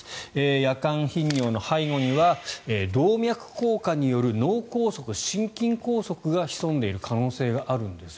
夜間頻尿の背後には動脈硬化による脳梗塞、心筋梗塞が潜んでいる可能性があるんですよ。